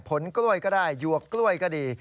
ผลกล้วยก็ได้หยวกกล้วยก็ดี